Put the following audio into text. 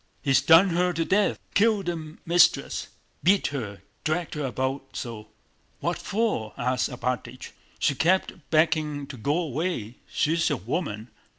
"He's done her to death. Killed the mistress!... Beat her... dragged her about so!..." "What for?" asked Alpátych. "She kept begging to go away. She's a woman!